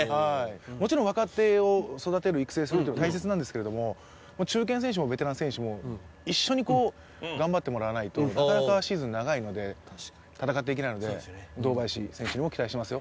もちろん若手を育成することは大切なんですけれども中堅選手もベテラン選手も一緒に頑張ってもらわないとなかなかシーズン長いので戦っていけないので堂林選手にも期待してますよ